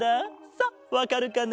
さあわかるかな？